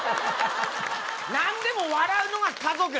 何でも笑うのが家族。